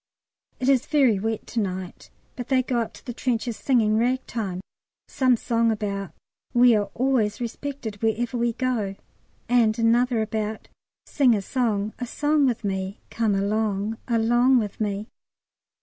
It is very wet to night, but they go up to the trenches singing Ragtime, some song about "We are always respected wherever we go." And another about "Sing a song a song with me. Come along along with me."